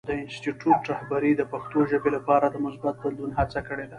د انسټیټوت رهبرۍ د پښتو ژبې لپاره د مثبت بدلون هڅه کړې ده.